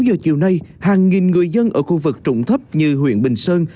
đến một mươi sáu h chiều nay hàng nghìn người dân ở khu vực trụng thấp như huyện bình sơn